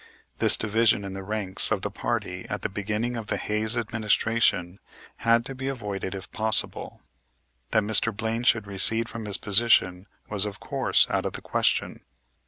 This division in the ranks of the party at the beginning of the Hayes administration had to be avoided if possible. That Mr. Blaine should recede from his position was, of course, out of the question.